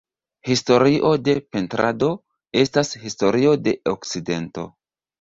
Historio de pentrado, estas historio de okcidento.